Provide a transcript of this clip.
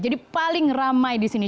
jadi paling ramai di sini